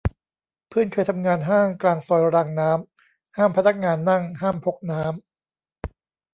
เพื่อนเคยทำงานห้างกลางซอยรางน้ำ ห้ามพนักงานนั่ง ห้ามพกน้ำ